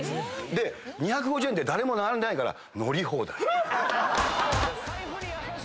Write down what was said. で２５０円で誰も並んでないから乗り放題。